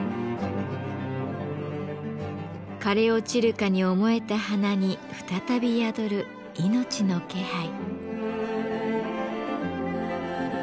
枯れ落ちるかに思えた花に再び宿る命の気配。